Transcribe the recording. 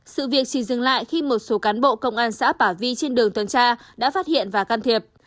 sự việc chỉ dừng lại khi một số cán bộ công an xã bà vi trên đường tuần tra đã phát hiện và can thiệp